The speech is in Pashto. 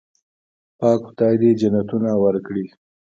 پاک خدای دې جنتونه ورکړي.